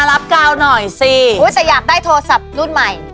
หู้วววแต่อยากได้โทรศัพท์รุ่นใหม่